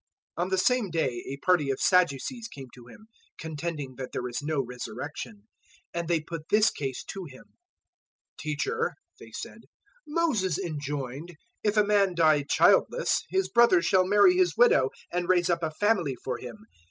022:023 On the same day a party of Sadducees came to Him, contending that there is no resurrection. And they put this case to Him. 022:024 "Teacher," they said, "Moses enjoined, `If a man die childless, his brother shall marry his widow, and raise up a family for him.'